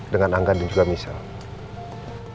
dengan angga dan juga misalnya